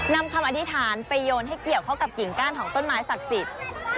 นำคำอธิษฐานไปโยนให้เกี่ยวเข้ากับกิ่งก้านของต้นไม้ศักดิ์สิทธิ์